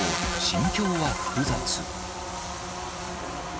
心境は複雑。